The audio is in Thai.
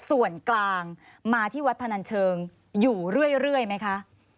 ส่วนกลางมาที่วัดพนันเชิงอยู่เรื่อยไหมคะ